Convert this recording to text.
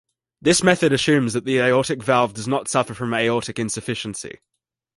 This method assumes that the aortic valve does not suffer from aortic insufficiency.